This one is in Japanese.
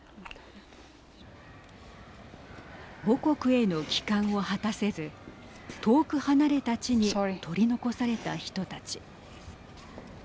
母国への帰還を果たせず遠く離れた地に取り残された人たち。